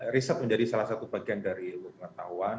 riset menjadi salah satu bagian dari ilmu pengetahuan